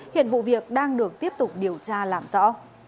hiện vụ việc đang được tiếp tục điều tra làm rõ